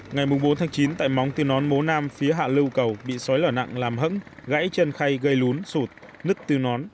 ngày bốn tháng chín tại móng từ nón mố nam phía hạ lưu cầu bị xói lở nặng làm hẫng gãy chân khay gây lún sụt nứt tư nón